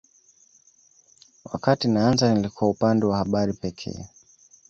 Wakati naanza nilikuwa upande wa habari pekee